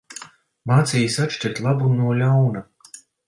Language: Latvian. Mācījis atšķirt labu no ļauna.